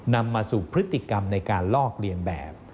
นำมาสู่พฤติกรรมในการลอกเลียนแบบ